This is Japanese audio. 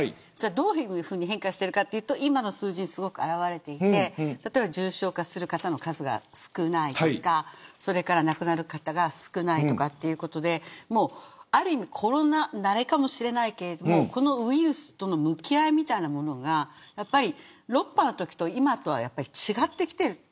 どういうふうに変化しているかというと今の数字に表れていて例えば重症化する方の数が少ないとかそれから亡くなる方が少ないとかある意味コロナ慣れ、かもしれないけれどこのウイルスとの向き合いみたいなものが６波のときと今とは違ってきている。